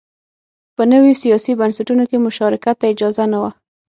په نویو سیاسي بنسټونو کې مشارکت ته اجازه نه وه